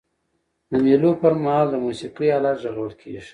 د مېلو پر مهال د موسیقۍ آلات ږغول کيږي.